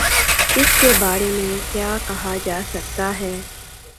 اس کے بارے میں کیا کہا جا سکتا ہے۔